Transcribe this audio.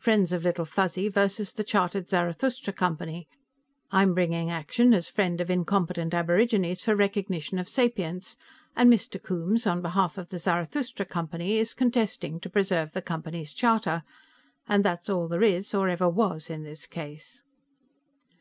"Friends of Little Fuzzy versus The chartered Zarathustra Company; I'm bringing action as friend of incompetent aborigines for recognition of sapience, and Mr. Coombes, on behalf of the Zarathustra Company, is contesting to preserve the Company's charter, and that's all there is or ever was to this case."